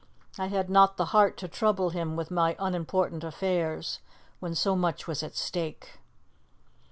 "I had not the heart to trouble him with my unimportant affairs when so much was at stake."